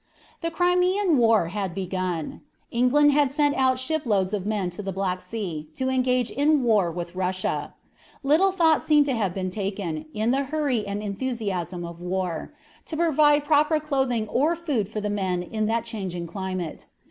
The Crimean War had begun. England had sent out ship loads of men to the Black Sea, to engage in war with Russia. Little thought seemed to have been taken, in the hurry and enthusiasm of war, to provide proper clothing or food for the men in that changing climate.